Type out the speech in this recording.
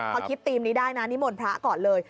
เขาคิดธิริปนี้ได้นะนี่หม่อนพระก่อนเลย